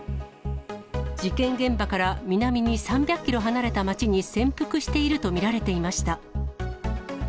事件現場から南に３００キロ離れた街に潜伏していると見られていました。